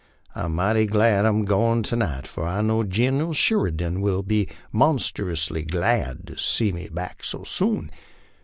I'm mighty glad I'm goin' to night, for I know Gineral Sheri dan r ll be monstrous glad to see me back so soon.